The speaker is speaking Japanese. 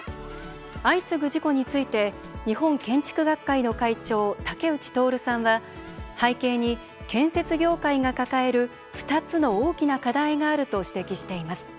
相次ぐ事故について日本建築学会の会長竹内徹さんは背景に、建設業界が抱える２つの大きな課題があると指摘しています。